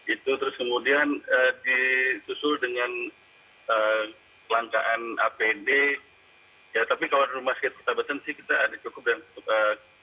itu terus kemudian ditusul dengan pelangkaan apd ya tapi kalau di rumah sekitar kota beton sih kita ada cukup dan cukup